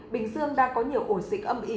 bình dương đang có nhiều ổ dịch âm ị